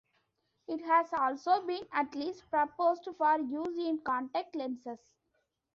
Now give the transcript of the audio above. It has also been at least proposed for use in contact lenses.